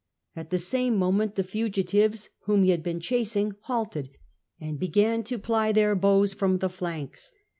At the same moment the fugitives whom he had been chasing halted, and began to ply their bows from the flanks.